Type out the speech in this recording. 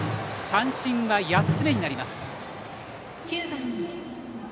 三振は８つ目になります。